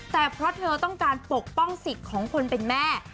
แต่เพราะเธอต้องการปกป้องสิทธิ์ของคนเป็นแม่